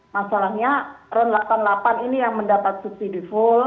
masalahnya ron delapan puluh delapan ini yang mendapat subsidi full